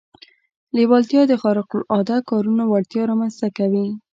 لېوالتیا د خارق العاده کارونو وړتيا رامنځته کوي.